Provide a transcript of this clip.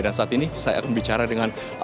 dan saat ini saya akan bicara dengan